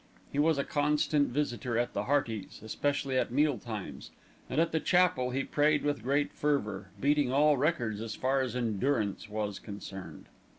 He was a constant visitor at the Heartys', especially at meal times, and at the chapel he prayed with great fervour, beating all records as far as endurance was concerned.